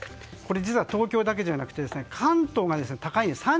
実は東京だけじゃなくて関東が高いです。